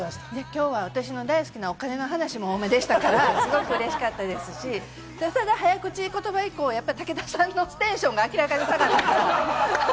今日は私の大好きな、お金の話も多めでしたからすごくうれしかったですし、早口言葉以降、武田さんのテンションが明らかに下がってる。